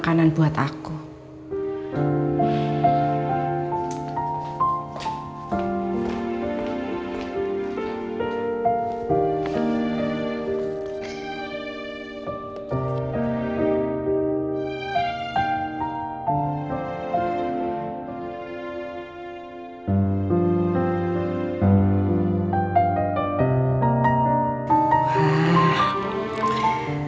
sampai saat ini kiki masih ajar ajar